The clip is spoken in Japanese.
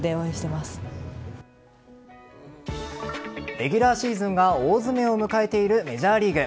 レギュラーシーズンが大詰めを迎えているメジャーリーグ。